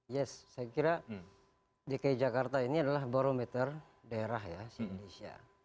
yes saya kira dki jakarta ini adalah barometer daerah ya di indonesia